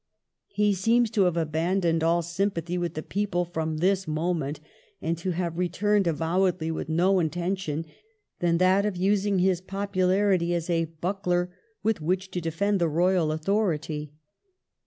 He seems to have abandoned all sympathy with the people from this moment, and to have returned avowedly with no intention than that of using his popularity as a buckler with which to defend the royal authority.